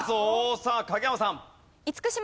さあ影山さん。